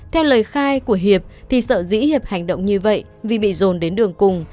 theo lời khai của hiệp thì sợ dĩ hiệp hành động như vậy vì bị dồn đến đường cùng